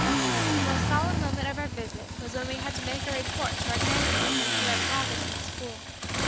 The most solemn moment of our visit was when we had to make our report to our grandparents as to our progress in school.